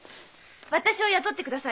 私を雇ってください。